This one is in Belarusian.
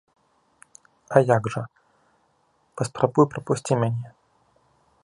А як жа, паспрабуй прапусці мяне!